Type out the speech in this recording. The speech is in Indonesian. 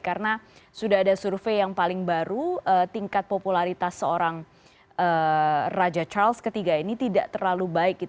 karena sudah ada survei yang paling baru tingkat popularitas seorang raja charles iii ini tidak terlalu baik